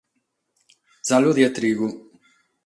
Salude e trigu!